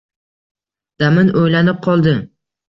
Damin o‘ylanib qoldi.